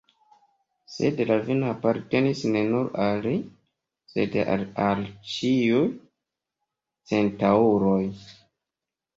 Sed la vino apartenis ne nur al li, sed al ĉiuj centaŭroj.